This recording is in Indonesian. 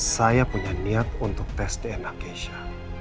saya punya niat untuk tes dna keisha